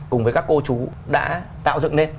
cùng với các cô chú đã tạo dựng lên